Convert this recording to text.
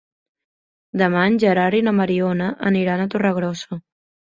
Demà en Gerard i na Mariona aniran a Torregrossa.